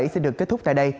sẽ được kết thúc tại đây